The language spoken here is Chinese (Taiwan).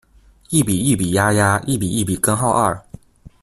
一比一比鴨鴨，一比一比根號二